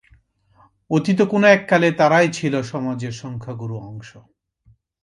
অতীতে কোনো এক কালে তারাই ছিল সমাজের সংখ্যাগুরু অংশ।